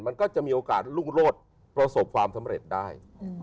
มันก็จะมีโอกาสรุ่งโลศประสบความสำเร็จได้